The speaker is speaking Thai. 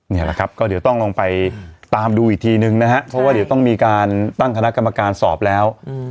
นี่แหละครับก็เดี๋ยวต้องลองไปตามดูอีกทีนึงนะฮะเพราะว่าเดี๋ยวต้องมีการตั้งคณะกรรมการสอบแล้ว